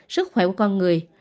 sức khỏe của con người